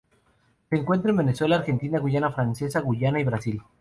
Se encuentra en Venezuela, Argentina, Guayana Francesa, Guyana y Brasil,